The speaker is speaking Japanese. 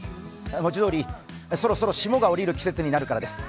文字どおり、そろそろ霜がおりる季節になるからです。